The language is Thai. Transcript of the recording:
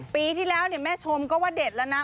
ปีที่แล้วเนี่ยแม่ชมก็ว่าเด็ดแล้วนะ